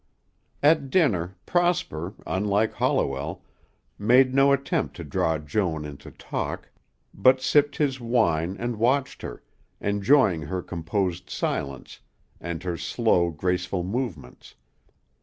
At dinner, Prosper, unlike Holliwell, made no attempt to draw Joan into talk, but sipped his wine and watched her, enjoying her composed silence and her slow, graceful movements.